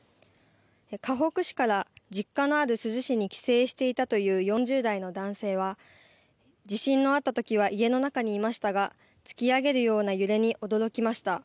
かほく市から実家のある珠洲市に帰省していたという４０代の男性は地震のあったときは家の中にいましたが突き上げるような揺れに驚きました。